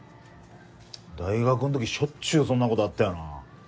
大学ん時しょっちゅうそんなことあったよな。